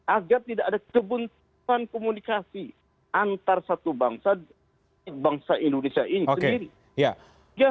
agar tidak ada kebuntutan komunikasi antar satu bangsa indonesia ini sendiri